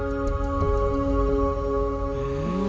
うん！